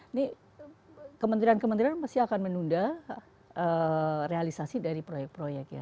ini kementerian kementerian masih akan menunda realisasi dari proyek proyek ya